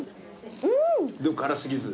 でも辛すぎず。